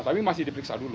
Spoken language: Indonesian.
tapi masih diperiksa dulu